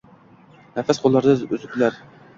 Nafis qo’llarida uzuklar.